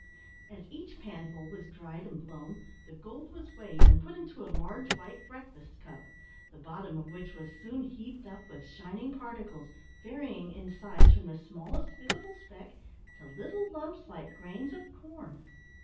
As each panful was dried and blown, the gold was weighed, and put into a large white breakfast cup, the bottom of which was soon heaped up with shining particles, varying in size from the smallest visible speck, to little lumps like grains of corn.